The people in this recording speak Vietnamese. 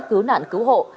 cứu nạn cứu hộ